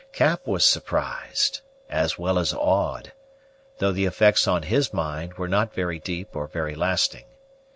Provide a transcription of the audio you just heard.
Cap was surprised, as well as awed; though the effects on his mind were not very deep or very lasting.